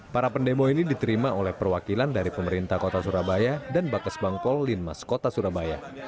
para pendemo ini diterima oleh perwakilan dari pemerintah kota surabaya dan bakas bangpol linmas kota surabaya